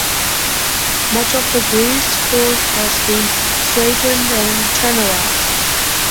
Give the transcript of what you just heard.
Much of the Green's course has been straightened and channelized.